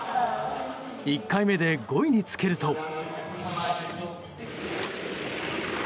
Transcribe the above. １回目で５位につけると。